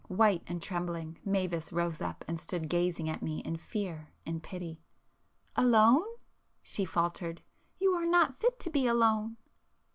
White and trembling, Mavis rose up and stood gazing at me in fear and pity. "Alone? ..." she faltered—"You are not fit to be alone!"